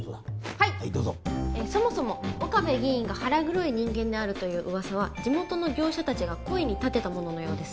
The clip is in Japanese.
はいどうぞそもそも岡部議員が腹黒い人間であるという噂は地元の業者達が故意に立てたもののようです